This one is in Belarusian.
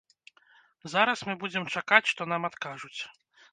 Зараз мы будзем чакаць, што нам адкажуць.